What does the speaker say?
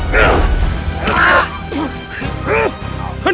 kau akan menang